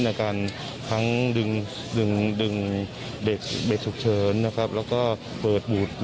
ในการทั้งดึงเบจถูกเชิญแล้วก็เปิดบุตร